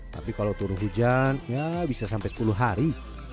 tapi kalau turun hujan ya bisa sampai sepuluh hari